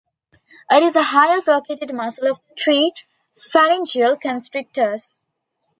It is the highest located muscle of the three pharyngeal constrictors.